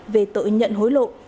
về tội nhận hối lộ